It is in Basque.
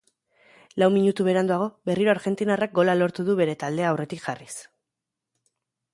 Lau minutu beranduago, berriro argentinarrak gola lortu du bere taldea aurretik jarriz.